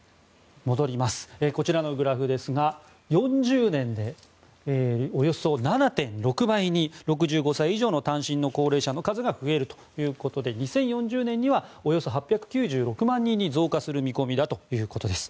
こちらのグラフですが４０年でおよそ７．６倍に６５歳以上の単身高齢者の数が増えるということで２０４０年にはおよそ８９６万人に増加する見込みだということです。